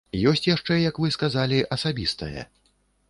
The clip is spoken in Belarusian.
Ёсць яшчэ, як вы сказалі, асабістае.